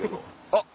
あっ。